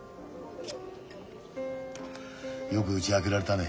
よくうち空けられたね。